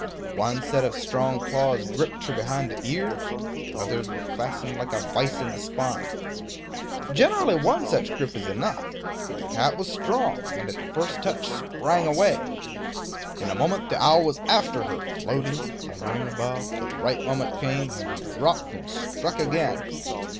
One set of strong claws gripped her behind the ears; the others were fastened like a vise in the spine. Generally one such grip is enough; but the cat was strong, and at the first touch sprang away. In a moment the owl was after her, floating, hovering above, till the right moment came, when he dropped and struck again.